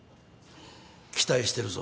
期待してるぞ。